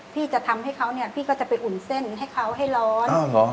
พี่จะทำให้เขาเนี่ยพี่ก็จะไปอุ่นเส้นให้เขาให้ร้อน